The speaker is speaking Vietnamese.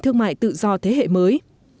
thương mại tự do thế hệ mới